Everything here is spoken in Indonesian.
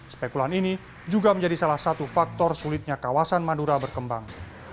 spekulan ini juga menjadi salah satu faktor sulitnya kawasan madura berkembang